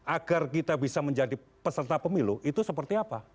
agar kita bisa menjadi peserta pemilu itu seperti apa